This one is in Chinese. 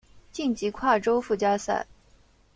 晋级跨洲附加赛。